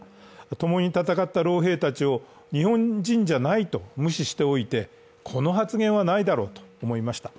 ともに戦った老兵たちを日本人じゃないと無視しておいて、この発言はないだろうと思いました。